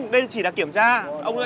đây chỉ là kiểm tra qua cái máy